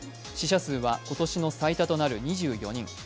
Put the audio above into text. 死者数は今年の最多となる２４人。